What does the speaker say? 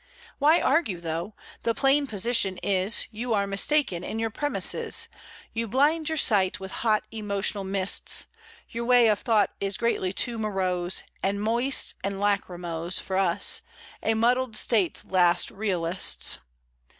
Why argue, though? The plain position is You are mistaken in your premises. You blind your sight with hot, emotional mists, Your way of thought is greatly too morose And moist and lachrymose, For us, a muddled State's last realists.